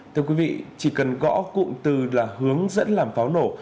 thưa quý vị chỉ cần gõ cụm từ là hướng dẫn làm pháo nổ